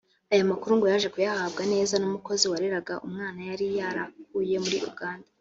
Aya makuru ngo yaje kuyahabwa neza n’umukozi wareraga umwana yari yarakuye muri Uganda